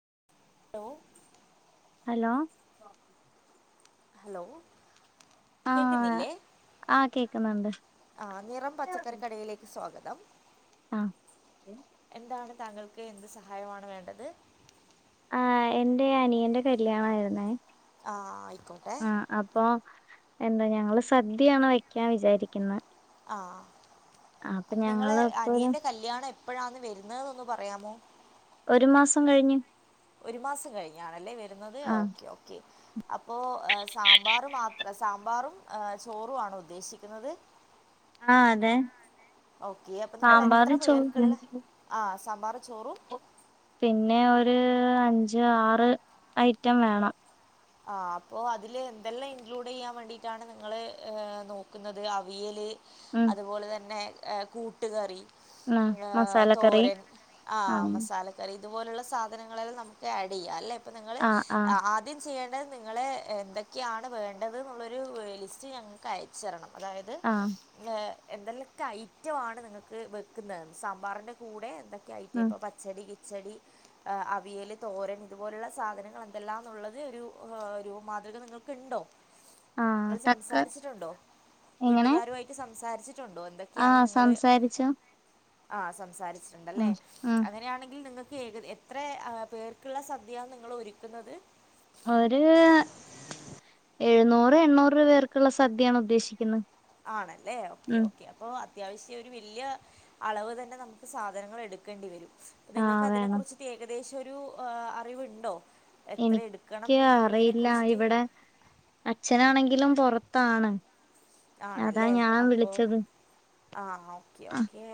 [unintelligible] Hello hello ആഹ് കേക്കുന്നില്ലേ ആഹ് കേക്കുന്നുണ്ട് ആ നിറം പച്ചക്കറികടയിലേക്ക് സ്വാഗ [unintelligible] ആ താങ്കൾക്ക് എന്ത് സഹായമാണ് വേണ്ടത് ആ എന്റെ അനിയന്റെ കല്യാണായിരുന്നേ ആ ആയിക്കോട്ടെ ആഹ് അപ്പൊ എന്താ ഞങ്ങള് സദ്യയാണ് വെക്കാൻ വിചാരിക്കുന്നത് ആ ആ അപ്പൊ ഞങ്ങള് ഇപ്പോരു എപ്പോഴാന്ന് വരുന്നെന്ന് ഒന്ന് പറയാമോ? ഒരു മാസം കഴിഞ്‌ ഒരു മാസം കഴിഞ്ഞാണല്ലേ വര് രുന്നത് ആഹ് ഓക്കെ ഓക്കെ അപ്പോ സാമ്പാറ് മാത്ര സാമ്പാറും ഏ ചോറും ആണോ ഉദ്ദേശിക്കുന്നത് ആ അതെ ഓക്കെ അപ്പോൾ സാമ്പാറും [unintelligible] സാമ്പാറും ചോറും പിന്നെ ഒരു അഞ്ച് ആറ് ഐറ്റം വേണം ആ അപ്പൊ അതില് എന്തെല്ലാം ഇൻക്ലൂഡ് ചെയ്യാൻ വേണ്ടിട്ടാണ് നിങ്ങള് ഏ നോക്കുന്നത് അവിയല് ഉം അതുപോലെ തന്നെ ഏ കൂട്ടുകറി ആഹ് ഏ മസാലക്കറി തോരൻ ആ ആഹ് മസാലക്കറി ഇതുപോലുള്ള സാധനങ്ങളല്ലാം നമുക്ക് ആഡ് ചെയ്യാം അല്ലേ അപ്പം നിങ്ങള് ആഹ് ആഹ് ആദ്യം ചെയ്യേ നിങ്ങള് എന്തൊക്കെയാണ് വേണ്ടതെന്നുള്ളൊരു ലിസ്റ്റ് ഞങ്ങൾക്ക് അയച്ച് തരണം അതായത് ആഹ് ഏ എന്തെലൊക്കെ ഐറ്റമാണ് നിങ്ങൾക്ക് വെക്കുന്നത് സാമ്പാറിൻന്റെ കൂടെ എന്തൊ [unintelligible] ഉം ഇപ്പ പച്ചടി കി ച്ചടി, അവിയൽ, തോരൻ ഇതുപോലുള്ള സാധനങ്ങൾ എന്തെല്ലാെന്നുള്ളത് ഒരു ആ ഒരു മാതൃക നിങ്ങൾക്ക്ണ്ടോ ആഹ് നിങ്ങൾ തക്ക സംസാരിച്ചിട്ടുണ്ടോ വീട്ടുകാരു ആയിട്ട് സം സാരിച്ച് ആ സംസാരിച്ചോ ആ സംസാരി ച്ട്ടുണ്ടല്ലേ ഉം ഉം അങ്ങനെയാണെങ്കിൽ നിങ്ങ എക എത്ര പേർക്കുള്ള സദ്യയാ നിങ്ങളൊരുക്കുന്നത് ഒര് എഴുന്നൂറ് എണ്ണൂറ് പേർക്കുള്ള സദ്യയാണ് ഉദ്ദേശിക്കുന്ന ആണല്ലേ ഓക്കെ ഓക്കെ അപ്പൊ അത്യാവശ്യം ഒരു വല്യ അളവ് തന്നെ നമുക്ക് സാധനങ്ങളെടുക്കേണ്ടി വരും ആഹ് നിങ്ങക്ക് അതിനെ വേണം കുറിച്ച് ഏക ദേശം ഒരു അറിവ്ണ്ടോ എനിക്ക് അറിയില്ല ഇവിടെ അച്ഛനാണെങ്കിലും പൊറ ത്താണ് ആണല്ലേ അപ്പൊ ആ ഓക്കെ ആഹ് ഓക്കേ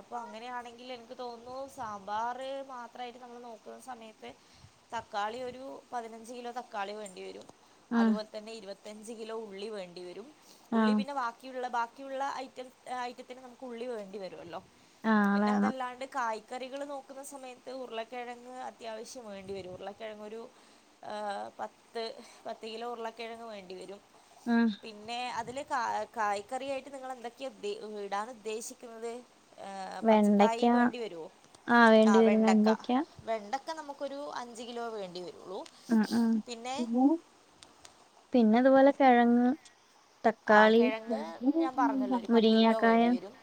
അപ്പൊ അങ്ങനെയാണെങ്കില് എനിക്ക് തോന്നുന്നു സാമ്പാർ മാത്രമായിട്ട് നമ്മൾ നോക്കുന്ന സമയത്ത് തക്കാളി ഒരു പതിനഞ്ച് കിലോ തക്കാളി വേണ്ടി വരും ആഹ് അതുപോലെ തന്നെ ഇരുപ അഞ്ച് കിലോ ഉള്ളി വേണ്ടിവരും ഉള്ളി ആഹ് പിന്നെ ബാക്കിയുള്ള ബാ ക്കിയുള്ള ഐറ്റം ഐറ്റത്തിന് നമുക്ക് ഉള്ളിൽ വേണ്ടിവരോല്ലോ ആഹ് പിന്നെ വേണം അതല്ലാണ്ട് കായ് കറികൾ നോക്കുന്ന സമയത്ത് ഉരുളക്കിഴങ്ങ് അത്യാവശ്യം വേണ്ടിവരും ഉരുളക്കിഴങ്ങൊരു പത്ത് പത്ത് കിലോ ഉരുളക്കിഴങ്ങ് വേണ്ടിവരും ഉം പിന്നെ അതില് കായ് കായ്ക്കറിയായിട്ട് നിങ്ങൾ എന്തൊക്കെ ഉദ്ദേ ഇടാൻ ഉദ്ദേശിക്കുന്നത് ഏ വെണ്ടയ്ക്ക പച്ചക്കായി വേണ്ടി വരോ ആഹ് ആ വേണ്ടി വരും വെണ്ടക്ക വെണ്ടയ്ക്ക വെണ്ട ക്ക നമുക്കൊരു അഞ്ച് കിലോ വേണ്ടിവരും ഉം ഉം പിന്നെത്പോലെ കെഴങ്ങ് ആ കെഴങ്ങ് ഞാൻ പറഞ്ഞല്ലോ ഒരു പത്ത് കിലോ മുരിങ്ങക്കായ വേണ്ടിവരും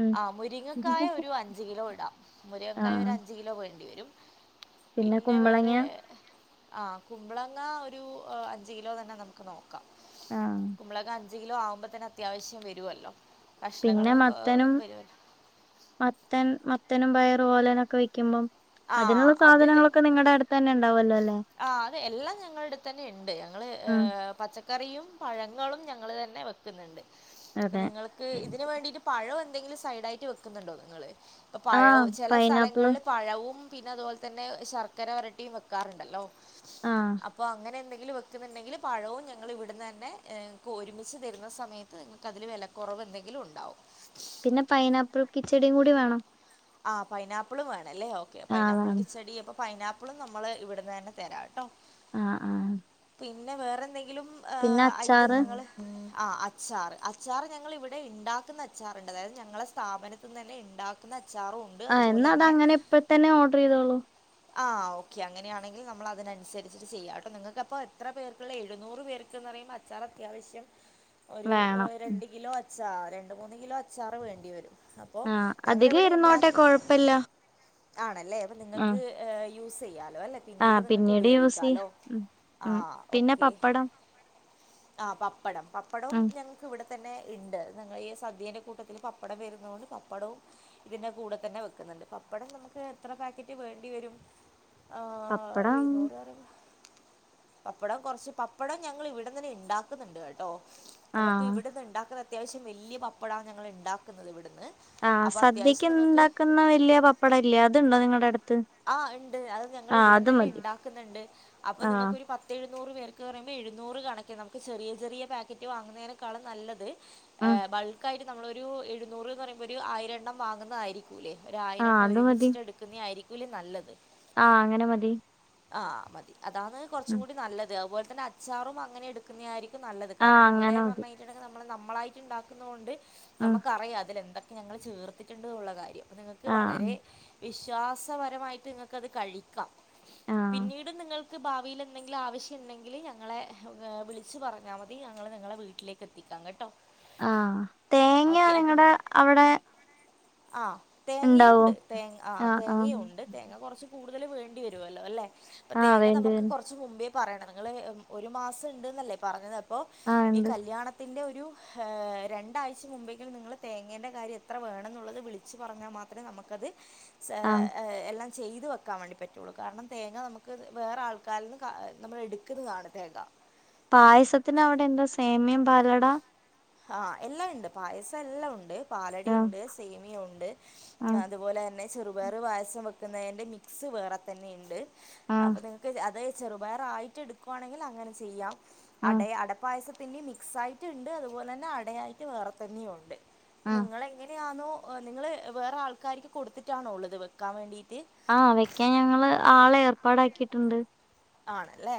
ഉം ആ മുരിങ്ങക്കായ ഒരു അഞ്ച് കിലോ ഇടാം മുരിങ്ങക്കായ ആഹ് ഒരഞ്ച് കിലോ വേണ്ടിവരും പിന്നെ വേറെ ആഹ കുമ്പളങ്ങ ഒരു അഞ്ച് കിലോ തന്നെ നമുക്ക് നോക്കാം ആഹ് കുമ്പളങ്ങ അഞ്ച് കിലോ ആവുമ്പോ തന്നെ അത്യാവശ്യം വരുവല്ലോ പിന്നെ മത്തനും മത്തൻ മ ത്തനും പയറും ഓലനൊക്കെ വെക്ക്യുമ്പം ആഹ അത് തന്നെ ഉണ്ടാവല്ലോ അല്ലേ ആ അത് എല്ലാം ഞങ്ങളടുത്തന്നെ ഉണ്ട് ഞങ്ങള് ഏ ഉം പച്ച ക്കറിയും പഴങ്ങളും ഞങ്ങൾ തന്നെ വെക്കുന്നുണ്ട് അതെ നിങ്ങൾക്ക് ഇതിനന് വേണ്ടിട്ട് പഴ വന്ന എന്തെങ്കിലും സൈഡായിട്ട് വെക്കുന്നുണ്ടോ നിങ്ങങ്ങള് ഇപ്പ ആഹ് പഴവും ചില പൈനാപ്പിളും സ്ഥലങ്ങളിൽ പഴവും പിന്നെ അതുപോലെ തന്നെ ശർക്കര വരട്ടിയും വെക്കാറുണ്ടല്ലോ ആഹ് അപ്പൊ അങ്ങനെ എന്തൊ വെക്കുന്നുണ്ടെങ്കിൽ പഴവും ഞങ്ങൾ ഇവിടുന്ന് തന്നെ ഒരുമിച്ച് തരുന്ന സമയത്ത് നിങ്ങൾക്ക് അതില് വിലക്കുറവ് എന്തെങ്കിലും ഉണ്ടാവും പിന്നെ പൈനാപ്പിൾ കിച്ചെടിയും കൂടി വേണോ ആ പൈനാപ്പിളുംവേണ അല്ലേ ഓക്കെ ആഹ് പൈനപ്പിൾ വേണം കിച്ചെടി അപ്പം പൈനാപ്പിളും നമ്മള് ഇവിടുന്ന് തന്നെ തരാം കേട്ടോ ആഹ് ആഹ് പിന്നെ വേറെ എന്തെങ്കിലും ഉം പിന്നെ ഐറ്റം അച്ചാറ് നിങ്ങള് ആ അച്ചാറ് അച്ചാറ് ഞങ്ങള് ഇവിടെ ഉണ്ടാക്കുന്ന അച്ചാറുണ്ട് അതായത് ഞങ്ങളുടെ സ്ഥാപനത്തിൽ നിന്ന് തന്നെ ഉണ്ടാക്കുന്ന അച്ചാറും ഉണ്ട് ആ അതുപോലെ എന്നാ അത് തന്നെ അങ്ങനെ ഇപ്പഴത്തന്നെ ഓർഡർ ചെയ്തോളൂ ആഹ് ഓക്കെ അങ്ങനെയണെങ്കിൽ നമ്മൾ അതിനനുസരിച്ചിട്ട് ചെയ്യാം കേട്ടോ നിങ്ങൾക്ക്പ്പൊ എത്ര പേർക്കുള്ള എഴുന്നൂറ് പേർക്ക്ന്ന് പറയുമ്പോ അച്ചാർ അത്യാവശ്യം ഒരു വേണം രണ്ടു കിലോ അച്ച ച്ചാ രണ്ട് മൂന്ന് കിലോ അച്ചാറ് വേണ്ടിവരും അപ്പോ ഞങ്ങള് ഇവിടെ ഇൻ ന്നോട്ടെ കുഴപ്പില്ല അല്ല അപ്പം നിങ്ങൾക് ആഹ് യൂസ് ചെയ്യാ ട്ടുമല്ലേ പിന്നീട് ആഹ് നിങ്ങക്ക് യൂസ് ചെയ്യാം ഉപയോഗിക്കാലോ ഉം ഉം ആഹ് പിന്നെ ഓക്കെ പപ്പടം ആം പപ്പടം പപ്പടവും ഉം ഞങ്ങൾക്ക് ഇവിടു തന്നെ ഉണ്ട് ഞങ്ങൾ ഈ സദ്യന്റെ കൂട്ടത്തിൽ പപ്പടം വരുന്നൊണ്ട് പപ്പടവും ഇതിന്റെ കൂടെ തന്നെ വെക്കുന്നുണ്ട് അപ്പടം നമുക്ക് എത്ര പാക്കറ്റ് വേണ്ടിവരും പപ്പടം പപ്പടം കൊറച്ച് പപ്പടം ഞങ്ങൾ ഇവിടെ തന്നെ ഉണ്ടാക്കുന്നുണ്ട് കേട്ടോ നമുക്ക് ആഹ് ഇവിടന്ന് ഉണ്ടാക്ക അത്യാവശ്യം വലിയ പപ്പടാണ് ഞങ്ങൾ ഉണ്ടാക്കുന്നത് ഇവിടെ ആഹ് സദ്യക്ക് നിങ്ങക്ക് ഉണ്ടാക്കുന്ന വലിയ പപ്പടം ഇല്ലേ അതുണ്ടോ നിങ്ങടെ അടുത്ത് ആ ഇണ്ട് അത് ആഹ് അത് ഞങ്ങളിവിടന്നെന്നെ മതി ഇണ്ടാക്ക് ന്ന്ണ്ട് അപ്പം ആഹ് നിങ്ങക്ക് ഒരു പത്തഴ് ഴുന്നൂറ് പേർക്ക് പറയുമ്പോ എഴുന്നൂറ് കണക്ക് നമുക്ക് ചെറിയ ചെറിയ പാക്കറ്റ് വാങ്ങുന്നതിനേക്കാളും നല്ലത് ഏ ഉം ബൾക്കായിട്ട് നമ്മളൊരു എഴുന്നൂറ് പറയുമ്പൊരു ആയിരണ്ണം വാങ്ങുന്നതായിരി ക്കൂലെ ആഹ് ഒരായിരെണ്ണം ഒരുമിച്ച്ട്ട് എടുക്കുന്നയായി രിക്കൂലേ നല്ലത് ആ അങ്ങനെ മതി ആ മതി അതാണ് കുറച്ചും ഉം കൂടി നല്ലത് അത്പോൽ ലെ അച്ചാറും അങ്ങനെ എടുക്കുന്നയാരി ക്കും നല്ലത് ആഹ് കാര്ണം ഇവിടെ അങ്ങനെ ന്ന് മതി പർഞ്ഞ് കയിഞ്ഞ്ട്ട്ണ്ട നമ്മള് നമ്മളായിട്ട് ഉണ്ടാക്കുന്നുകൊണ്ട് ഉം നമുക്കറിയാം അതിലെന്ത ക്കെ ഞങ്ങള് ചേർ ത്തിട്ട്ണ്ട്ന്ന് ഉള്ള കാര്യം നിങ്ങക്ക് ആഹ് വളരെ വിശ്വാസപരമായിട്ട് നിങ്ങക്കത് കഴിക്കാം ആഹ് പിന്നീട് നിങ്ങൾ ക്ക് ഭാവിയിൽ എന്തെങ്കിലും ആവശ്യംണ്ടെങ്കിൽ ഞങ്ങളെ വിളിച്ച് പറഞ്ഞാ മതി ഞങ്ങൾ നിങ്ങളെ വീട്ടിലേക്ക് എത്തിക്കാം കെട്ടോ ആ തേങ്ങ നിങ്ങടെ അവിടെ ആ തേങ്ങയും ഇണ്ടാവോ ഉണ്ട് തേ ആ ആഹ് ആഹ് തേങ്ങയും ഉണ്ട് തേങ്ങ കൊറച്ച് കൂ കടുതൽ വേണ്ടി വരുവല്ലോ അല്ലെ ഇപ്പൊ ആഹ് തേങ്ങ വേണ്ടി നമുക്ക് വരും കൊറ്ച്ച് മുമ്പേ പറയണം നിങ്ങള് ഒരു മാസം ഇണ്ട്ന്നല്ലേ പറഞ്ഞത് പ്പോ ആഹ് ഈ ഇണ്ട് കല്ല്യാണ ത്തിൻ്റെ ഒരു രണ്ടാഴ്ച മുമ്പെങ്കിലും നിങ്ങൾ തേങ്ങേൻ്റെ കാര്യം എത്ര വേണം ന്നുള്ളത് വിളിച്ച് പറഞ്ഞാൽ മാത്രേ നമുക്കത് സാ ആഹ് ഏ എല്ലാം ചെയ്തു വെക്കാൻ വേണ്ടി പറ്റുള്ളു കാരണം തേങ്ങ നമുക്ക് വേറെ ആൾക്കാരിൽ നിന്ന് ക നമ്മൾ എടുക്കുന്നതാണ് തേങ്ങ പായസത്തിന് അവിടെ എന്താ സേമ്യം പാലട ആ എല്ലാം ഇണ്ട് പായസം എല്ലാം ഉണ്ട് ആഹ് പാലടിണ്ട് സേമിയ ഉണ്ട് ആഹ് അതുപോലെ ന്നെ ചെറുപയറ് പായസം വെക്കുന്നതിൻ്റെ മിക്സ് വേറെ തന്നെ ഇണ്ട് ആഹ് അപ്പൊ നിങ്ങക്ക് അത ചെറുപയറായിറ്റ് എടുക്കുയാണെങ്കിൽ അങ്ങനെ ചെയ്യാം ആഹ് അടെ അടപ്പായസത് പിന്നെ മിക്സായിട്ട്ണ്ട് പോലെന്നെ അടയായിട്ട് വേറെ തന്നെയുണ്ട് ആഹ് നിങ്ങള് എങ്ങനെയാ ന്നൂ എ നിങ്ങള് വേറെ ആൾക്കാരിക്ക് കൊടുത്തിട്ടാണോ ഉള്ളത് വെക്കാൻ വേണ്ടീ ആഹ് വെക്കാൻ ഞങ്ങള് ആളെ ഏർപ്പാടാക്കിട്ട്ണ്ട് ആണെല്ലെ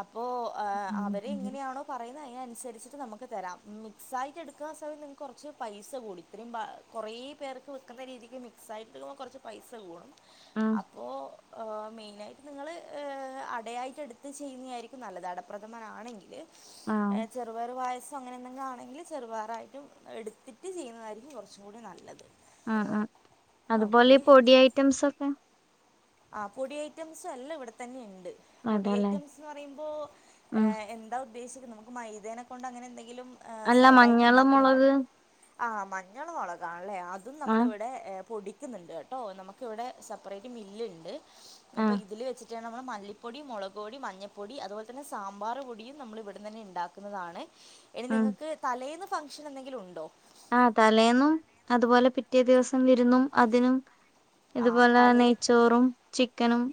അപ്പോ എഹ് അവരിങ്ങിനെയാണോ പറയു ന്നെ യൻസര്ചിട്ട് നമ്മുക്ക് തരാം ഉം ക് സായിറ്റെട്ക്ക സെ നിങ്ങക്‌ കൊർച് പൈസ കൂടി രിമ്പ കുറേ പേർക് വിക്കുന്ന രീതിക്ക് മിക്‌സായിട്ട് ഓ പൈസ കൂടും ആഹ് അപ്പോ ഓ മെയ്നായിട്ട് നിങ്ങള് ഹ് അടയായിട്ട് എടുത്ത് ചെയ്യുന്നെയായിരിക്കും നല്ലത് അടപ്രഥമനാണെങ്കില് ആഹ് എഹ് ചെറുപയറ് പായസ് ത് അങ്ങനെന്തെങ്കി ആണെങ്കില് ചേറുപാറായിട്ടും എടുത്തിട്ട് ചെയ്യുന്നതായിരിക്കും കൊർച് കൂടെ നല്ലത് ആഹ് ആഹ് അത്പോലെ പൊടി ഐറ്റംസൊക്കെ അഹ് പൊടി ഐറ്റംസ് എല്ലം ഇവിടെ തെന്നെയ്ണ്ട് പൊടി അതെല്ലേ ഐറ്റംസ് അറിയുമ്പോ ഏ ഉം എന്താ പീസിഡ് നമുക്ക് മൈദേനെകൊണ്ട് അങ്ങനെന്തെ ങ്കിലും ഏ അല്ല സൈഡായിട്ട് മഞ്ഞള് ഇണ്ടാക്കുന്നുണ്ടോ? മുളക് ആഹ് മഞ്ഞള് മൊളകാ ള്ളെ അതും നമ്മള് ആഹ് വിടെ എ പൊടി ക്ന്ന്ണ്ട് ഏട്ടൊ നമ്മക് വെടെ സപ്പറേറ്റ് മില്ല് ണ്ട് അപ്പ ആഹ് ഇതില് വെച്ചി റ്റാണ് നമ്മളെ മല്ലിപൊടിം മൊളൊകോടിം മഞ്ഞപ്പൊടി അതുപോൽത്തന്നെ സാമ്പാറ് പൊടിയും നമ്മള് ഇവട്ന്നെന്നെ ഇണ്ടാകുന്നതാണ് എനി നിങ്ങക്‌ തലേന്ന് ഫ് ഫങ്ഷനെന്തെങ്കിലുണ്ടോ? ആ തലേന്നും അത് പോലെ പിറ്റേദിവസം വിരുന്നും അതിനും ആ ഇത്പോലേ തലേ നെയ്‌ച്ചോറും ചിക്കനും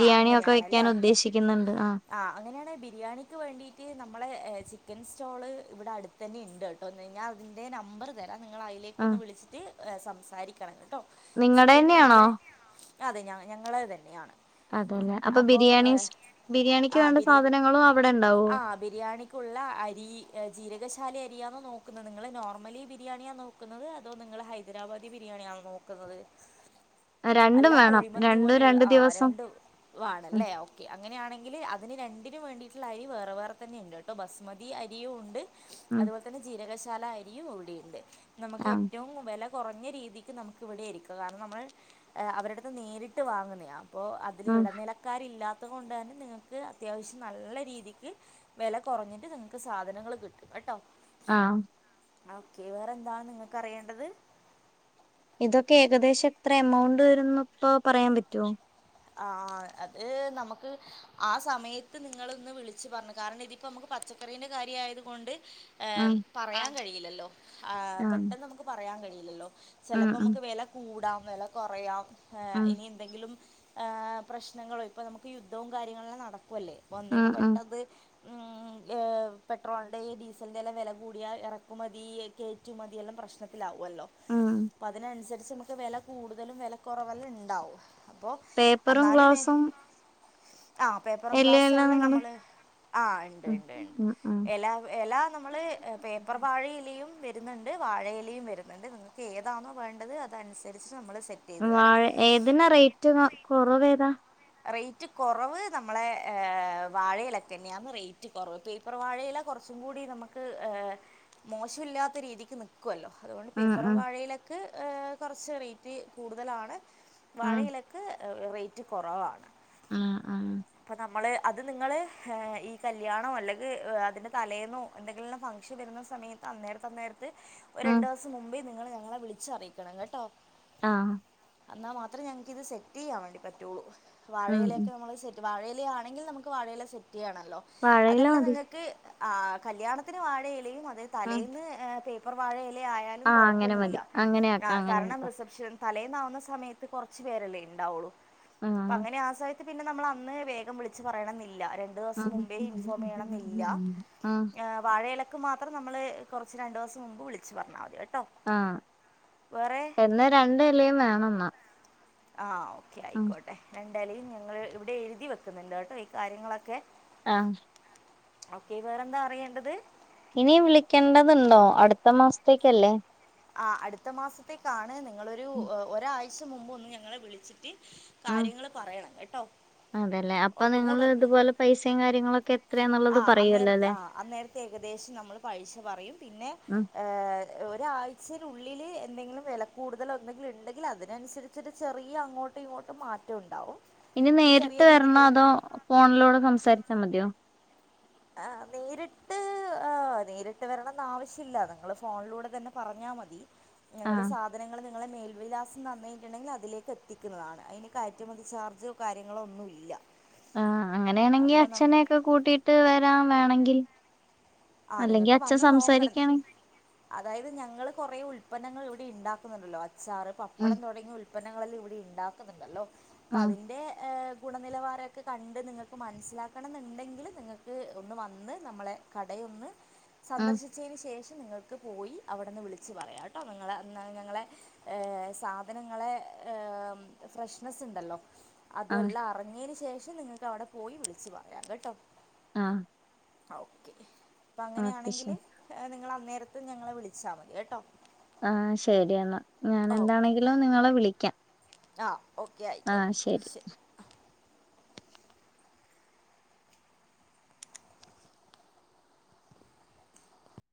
ആ ഒക്കെ വെക്കാൻ അങ്ങനെയാണെല്ലേ ഉദ്ദേശിക്കുന്നുണ്ട് ആഹ് ആ അങ്ങനെയാണേ ബിരിയാണിക് വേണ്ടീട്ട് നമ്മളെ എ ചിക്കൻ സ്റ്റോള് ഇവ്ടെ അട്തെന്നിണ്ട്ട്ടൊ ന്നെ ഞാ തിന്റെ നമ്പറ് ത ഞാൻ നിങ്ങളെ അയിലേക്കൊന്നു ആഹ് വിളിച്ചിട്ട് എ സംസാരിക്കണം കെട്ടൊ നിങ്ങടെ സിക്കൻ തന്നെയാണോ നിങ്ങളെ അതെ ഞ ഞങ്ങളേതെന്നെയാണ് അതല്ലേ അപ്പൊ അപ്പോ ബിരിയാണി സ്- ബിരിയാണിക്ക് വേണ്ട സാധനങ്ങളും അവിടെ ഉണ്ടാവോ ആ ബിരിയാണിക്കുള്ള അരി ജീരകഷാല അരിയാന്ന് നോ ന്നത് നിങ്ങള് നോർമലി ബിരിയാണിയാ നോക്ക്ന്നത് അതോ നിങ്ങൾ ഹൈദരാബാദി ബിരിയാണിയാണോ നോക്ക്ന്നത് രണ്ടും വേണം രണ്ടും രണ്ടു ദിവ രണ്ടും വാണല്ലേ ഓക്കെ അങ്ങനെയാണെങ്കില് അത് തിന് രണ്ടിനും വേണ്ടീട്ട്ള്ള അരി വേറെ വേറെ തന്നെ ണ്ട്ട്ടോ ബസ്മതി അരിയൂണ്ട് ഉം അതുപോലെ തന്നെ ജീരകശ ശാല അരിയും ഇവിടെയുണ്ട് നമ്മക്ക് ആഹ് ഏറ്റവും വെല കൊറഞ്ഞ രീതിക്ക് നമുക്ക് ഇവിടെ എരിക്കാ കാരണം നമ്മൾ അവരട്ത്ത്ന്ന് നേരിട്ട് വാങ്ങുന്നേയാ അപ്പോ അതില് ഉം ഇടനിലക്കാരില്ലാ അതുകൊണ്ട് തന്നെ നിങ്ങക്ക് അത്യാവശ്യം നല്ല രീതിക്ക് വെല കൊറഞ്ഞിട്ട് നിങ്ങക്ക് സാധനങ്ങൾ കിട്ടും കെട്ടോ ആം ഓക്കെ വേറെ എന്താണ് നിങ്ങക്ക് അറിയേണ്ടത് ഇതൊക്കെ ഏകദേശം എത്ര എമൗണ്ട് വരുന്ന്പ്പോ പറയാം പറ്റോ ആ ആ അത് നമ്മക്ക് ആ സമയത്ത് നിങ്ങളൊന്ന് വിളിച്ച് പറഞ്ഞു കാരണം ഇതിപ്പോ നമ്മക്ക് പച്ചക്കറീന്റെ കാര്യായത് കൊണ്ട് ഏ ഉം പറയാൻ കഴിയില്ലല്ലോ ആ ആഹ് പെട്ടെന്ന് നമ്ക്ക് പറയാൻ കഴി ല്ലല്ലോ ഉം ചെലപ്പോ ഉം മ്മക്ക് വെല കൂടാം വെല കൊറയാം ഹേ ഉം ഇനി എന്തെങ്കിലും ഹേ പ്രശ്നങ്ങളേയ് ഇപ്പ നമ്മക്ക് യുദ്ധവും കാര്യങ്ങളെക്കെ നട ക്കുവല്ലേ ഉം പ്പന്നേക്ക് ഉം പെട്ടെന്ന് ഉം ഏ പെട്രോളിൻ്റെ ഡീസലിൻ്റെ എല്ലാം വെല കൂടിയാ ഇറക്കുമതി കയറ്റുമതിയെല്ലാം പ്രശ്നത്തിലാവും വുല്ലോ ഉം പ്പതിനനുസരി ച്ച് നമ്മക്ക് വെല കൂടുതലും വെല കൊറവെല്ലണ്ടാവും അപ്പോ പേപ്പറും ഗ്ലാസും ആ പേപ്പറും ഗ്ലാസും എല്ലാം നമ്മള് ആ ണ്ട് ഉം ണ്ട് ണ്ട് ഉം ഉം എല എലാ നമ്മള് പേപ്പർ വാഴയിലയും വര്ന്നുണ്ട് വാഴയിലയും വര്ന്നുണ്ട് നിങ്ങക്ക് ഏതാണോ വേണ്ടത് അതനുസരിച്ച് നമ്മള് വാഴ ഏതിനാ റേറ്റ് നോ കൊറവേതാ റേയ്റ്റ് കാെറവ് നമ്മളെ ഏ വാഴയിലക്കെന്നാന്ന് റേയ്റ്റ് കൊറവ് പേപ്പർ വാഴയില കൊറച്ചും കൂടി നമ്ക്ക് ഏ മോശല്ലാത്ത രീതിക്ക് നിൽക്കുവല്ലോ അതുകൊണ്ട് ഉം പേപ്പർ ഉം വാഴയിലക്ക് ഹേ കൊറച്ച് റേറ്റ് കൂടുതലാണ് ഉം വാഴയിലക്ക് വെയിറ്റ് കൊറവാ ഉം ഉം ഇപ്പൊ നമ്മള് അത് നിങ്ങള് ഈ കല്യാണോ അല്ലെങ്കിൽ അതിൻ്റെ തലേന്നോ എന്തെങ്കിലും ഫംഗ്ഷൻ വരുന്ന സമയത്ത് അന്നേരം തന്നെ ഒരു ഉം രണ്ടു ദിവസം മുമ്പ് നിങ്ങള് ഞങ്ങളെ വിളിച്ച അറിയിക്കണം കേട്ടോ ആഹ എന്നാ മാത്രേ ഇത് സെറ്റ് ചെയ്യാൻ വേണ്ടിപ്പം റ്റളൂ ഉം ഉം വാഴയിലേക്കെ നമ്മള് ശരി വാഴയിലാണെങ്കിൽ നമുക്ക് വാഴയിലെ ആണല്ലോ വാഴയില അതെല്ലാം മതി നിങ്ങൾക്ക് ആ കല്യാണത്തിന് വാഴെയിലയും അ ഉം തലേന്ന് ഒരു വാഴ ലയായാലും ആഹ് അങ്ങനെ മതി കൊഴപ്പൊന്നല്ലെ അങ്ങനെ കാ ആക്കാം അങ്ങനെ കാരണം ആക്കാം റിസപ്ഷ തലേന്നാവുന്ന സമയത്ത് കുറച്ചു പേരല്ലേ ഉണ്ടാവുള്ളൂ അപ്പൊ ആഹ് അങ്ങനെ ആ സാ പിന്നെ നമ്മള് അന്ന് വേഗം വിളിച്ച് പറയണമെന്നില്ല രണ്ട് ദിവസം ആഹ് മുമ്പേ ഇൻ ഫോം ചെയ്യണ ന്നില്ല ആഹ് വാഴയിലക്ക് മാത്ര പ്പം നമ്മള് കുറച്ച് രണ്ട് ദിവസം മുമ്പ് വിളിച്ച് പറഞ്ഞാൽ മതി കേട്ടോ ആഹ് വേറെ എന്നാ രണ്ടല്ലയും വേണം ന്ന ആഹ് ക്കെ ആയിക്കോട്ടെ ഇലും ഞങ്ങള് ഇവിടെ എഴുതി വെക്കുന്നുണ്ട് കേട്ടോ ഈ കാര്യങ്ങളൊക്കെ ആഹ് ക്കെ വേറെന്താ അറിയേണ്ടത് ഇനി വിളിക്കേണ്ടതുണ്ടോ അടുത്ത മാസത്തേക്കല്ലേ ആ അടുത്ത മാസത്തേക്കാണ് നിങ്ങളൊരു ഒരാഴ്ച റച്ച് മുമ്പ് ഒന്ന് ഞങ്ങളെ വിളിച്ചിട്ട് ഉം കാര്യങ്ങൾ പറയണം കേട്ടോ അതല്ലേ അപ്പൊ നിങ്ങൾ ഇതുപോലെ പൈസയും കാര്യങ്ങളൊക്കെ എത്രയാന്നുള്ളത് ആ് പറയുവല്ലോ അന്നേരത്തെ അല്ലേ ആ് അന്നേരത്തെ ഏകദേശം നമ്മള് പൈസ. പറയും പിന്നെ ഉം ഏ ഒരാഴ്ച മച്ചന് ഉള്ളിൽ എന്തെങ്കിലും വില കൂടുതലോ എന്തെങ്കിലും ഉണ്ടെങ്കിൽ അതിനനുസരിച്ചൊരു ചെറിയ അങ്ങോട്ടും ഇങ്ങോട്ടും മാറ്റം ഉണ്ടാാവും ഇനി നേരിട്ട് വരണം അതോ ഫോണിലോട് സംസാരിച്ചാൽ മതിയോ ആ നേരിട്ട് ആ നേരിട്ട് വരണംന്ന് ആാവശ്യ ഇില്ല നിങ്ങള്ൾ ഫോണിലൂടെ തന്നെ പറഞ്ഞാ മതി. ഞങ്ങള് ആഹ് സാധനങ്ങൾ നിങ്ങളെ മേൽവിലാസം തന്നിട്ടുണ്ടെങ്കിൽ അതിലേക്ക് എത്തിക്കുന്നതാണ് അതിന് കയറ്റുമതി ചാർജോ കാര്യങ്ങളോ ഒന്നും ഇല്ല ആ അങ്ങനെയാണെങ്കിൽ അച്ഛനെൊക്കെ കൂട്ടിയിട്ട് വ വേണെങ്കിൽ ആഹ അല്ലെങ്കി നിങ്ങൾക്ക് അച്ഛൻ വന്ന് നോക്കണം സംസാരിക്കാണെ അതായത് ഞങ്ങൾ കൊറെ ഉൽപന്നങ്ങൾ ഇവിടെ ഉണ്ടാക്ക [unintelligible] ചാറ്, ഉം പപ്പടം തുടങ്ങി ഉൽ ഉൽപ്പന്നങ്ങളെല്ലാം ഇവിടെ ഉണ്ടാക്കുന്നുണ്ടല്ലോ. അപ്പൊ ഉം അതിന്റെ ഗുണനിലവാരൊക്കെ കണ്ട് നിങ്ങൾക്ക് മനസ്സിലാക്കണം ന്ന്ണ്ടെങ്കിൽ നിങ്ങൾക്ക് ഒന്ന് വന്ന് നമ്മളെ ക അയ് ഒന്ന് ഉം സന്ദർശിച്ചതിന് ശേഷം നിങ്ങൾക്ക് പോയി അവിടെന്ന് വിളിച്ച് പറയാം കേട്ടോ നിങ്ങള അന്നരം ഞങ്ങളെ സാധനങ്ങളെ ഫ്രഷ്നെസ് ഉണ്ടല്ലോ അത് ആഹ് എല്ലാം അറിഞ്ഞതിന് ശേഷം പക്ഷെ നിങ്ങൾക്ക് അവിടെ പോയി വിളിച്ചു പറയാം കേട്ടോ. ങആഹ് ആ ഓക്കെ അപ്പൊ അങ്ങനെയാണെങ്കിൽ ശരി നിങ്ങളാ നേരത്തെ ഞങ്ങളെ വിളിച്ചാൽ മതി കേട്ടോ ആ ശരിയന്നാ ഞാൻ എന്താണെങ്കിലും നിങ്ങളെ വിളിക്കാം. ആഹ് ഓക്കെ ആയിക്കോട്ടെ ശരി